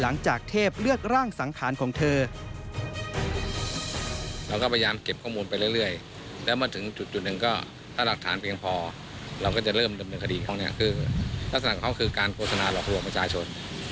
นั่นก็คือการโฟสนาหลอกหลวงประชาชน